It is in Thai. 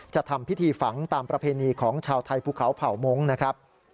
ทำพิธีฝังตามประเพณีของชาวไทยภูเขาเผ่ามงค์นะครับ